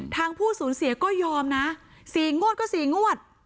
ผู้สูญเสียก็ยอมนะ๔งวดก็๔งวด